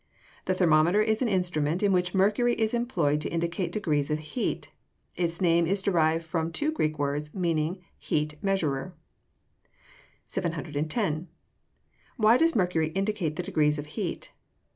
_ The thermometer is an instrument in which mercury is employed to indicate degrees of heat. Its name is derived from two Greek words, meaning heat measurer. 710. _Why does mercury indicate degrees of heat?